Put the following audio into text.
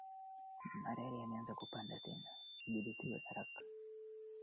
Akapanda ngazi kuwa mshauri wa mfalme na mwalimu wa mwana wa